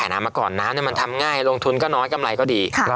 น้ำมาก่อนน้ำมันทำง่ายลงทุนก็น้อยกำไรก็ดี